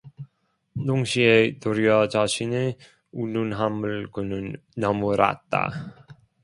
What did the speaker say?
동시에 도리어 자신의 우둔함을 그는 나무랐다.